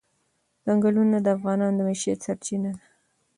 ځنګلونه د افغانانو د معیشت سرچینه ده.